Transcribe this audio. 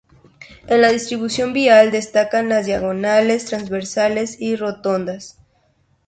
En la distribución vial destacan las diagonales, transversales y rotondas.